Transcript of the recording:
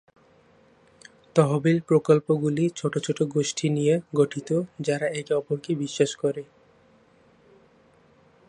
তহবিল প্রকল্পগুলি ছোট ছোট গোষ্ঠী নিয়ে গঠিত যারা একে অপরকে বিশ্বাস করে।